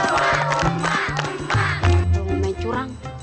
mau main curang